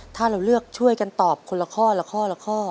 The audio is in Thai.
ถ้าเราเลือกช่วยกันตอบคนละข้อละข้อละข้อ